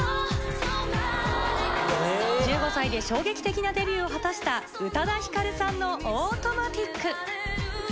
１５歳で衝撃的なデビューを果たした宇多田ヒカルさんの『Ａｕｔｏｍａｔｉｃ』。